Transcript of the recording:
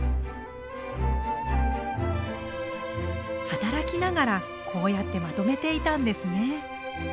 働きながらこうやってまとめていたんですね。